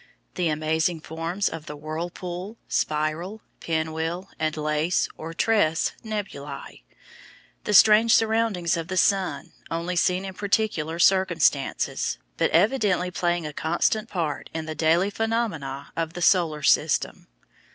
The amazing forms of the "whirlpool," "spiral," "pinwheel," and "lace," or "tress," nebulæ. The strange surroundings of the sun, only seen in particular circumstances, but evidently playing a constant part in the daily phenomena of the solar system.